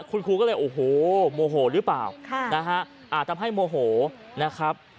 คุณครูก็เลยโอ้โหโมโหหรือเปล่านะฮะอาจทำให้โมโหนะครับ